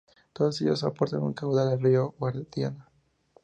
Todos ellos aportan su caudal al río Guadiana.